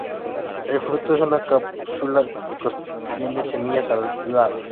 El fruto es una cápsula que contiene semillas aladas.